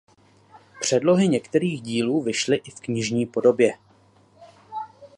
Předlohy některých dílů vyšly i v knižní podobě.